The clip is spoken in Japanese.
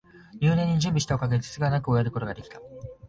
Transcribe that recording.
入念に準備したおかげで、つつがなく終えることが出来た